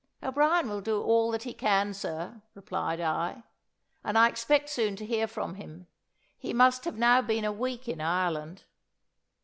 "O'Brien will do all that he can, sir," replied I; "and I expect soon to hear from him. He must have now been a week in Ireland."